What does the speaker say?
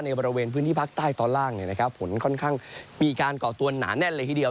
บริเวณพื้นที่ภาคใต้ตอนล่างฝนค่อนข้างมีการก่อตัวหนาแน่นเลยทีเดียว